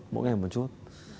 mỗi ngày một chút